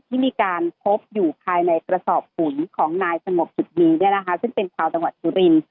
ที่มีการพบอยู่ภายในกระสอบขุนของนายสงบสุดมีซึ่งเป็นชาวจังหวัดสุรินทร์